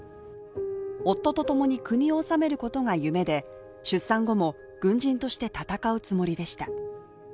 夫とともに国を治めることが夢で出産後も、軍人として戦うつもりでした。